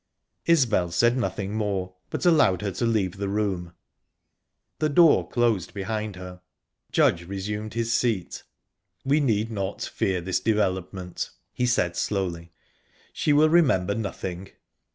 Isbel said nothing more, but allowed her to leave the room. The door closed behind her. Judge resumed his seat. "We need not fear this development," he said slowly. "She will remember nothing."